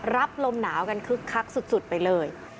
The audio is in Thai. รับลมหนาวกันคึกคักสุดไปเลย